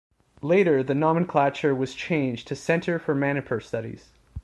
Later the nomenclature was changed to Center for Manipur Studies.